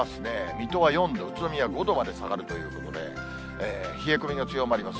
水戸は４度、宇都宮５度まで下がるということで、冷え込みが強まります。